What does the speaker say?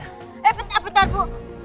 eh bentar bentar bu